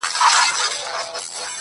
چا زر رنگونه پر جهان وپاشل چيري ولاړئ.